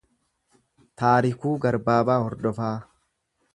Taarikuu Garbaabaa Hordofaa